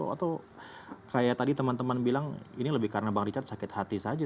atau kayak tadi teman teman bilang ini lebih karena bang richard sakit hati saja